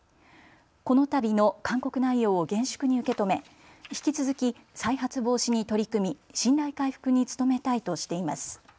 この度の勧告内容を厳粛に受け止め、引き続き再発防止に取り組み信頼回復に努めたいとしています。